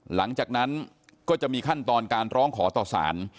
หลังจากนั้นก็จะมีขั้นตอนการร้องขอต่อสาร